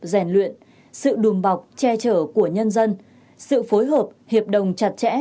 rèn luyện sự đùm bọc che chở của nhân dân sự phối hợp hiệp đồng chặt chẽ